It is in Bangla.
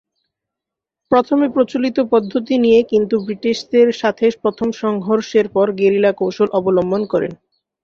প্রথমে প্রচলিত পদ্ধতি নিয়ে কিন্তু ব্রিটিশদের সাথে প্রথম সংঘর্ষের পরে গেরিলা কৌশল অবলম্বন করেন।